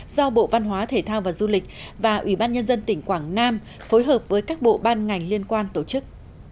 do bộ văn hóa thể thao và du lịch và ủy ban nhân dân tỉnh quảng nam phối hợp với các bộ ban ngành liên quan tổ chức